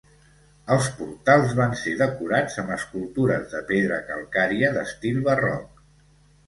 Els portals van ser decorats amb escultures de pedra calcària d'estil barroc.